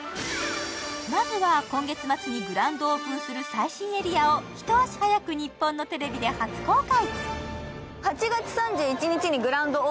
まずは、今月末にグランドオープンする最新エリアを一足早く日本のテレビで初公開。